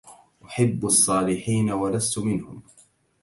أحب الصالحين ولست منهم